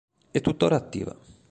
È tuttora attiva.